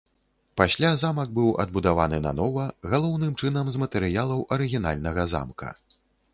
Пасля замак быў адбудаваны нанова, галоўным чынам з матэрыялаў арыгінальнага замка.